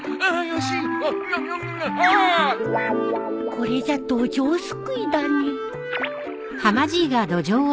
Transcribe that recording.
これじゃドジョウすくいだね